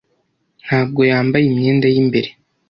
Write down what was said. Ntabwo yambaye imyenda y'imbere